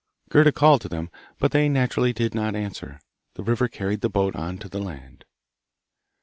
Gerda called to them, but they naturally did not answer. The river carried the boat on to the land.